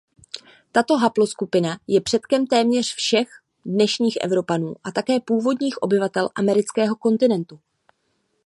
Tato haploskupina je předkem téměř všech dnešních Evropanů a také původních obyvatel amerického kontinentu.